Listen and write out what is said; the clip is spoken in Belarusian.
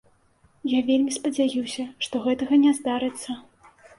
Я вельмі спадзяюся, што гэтага не здарыцца.